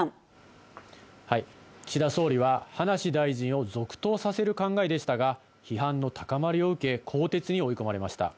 岸田総理は、葉梨大臣を続投させる考えでしたが、批判の高まりを受け、更迭に追い込まれました。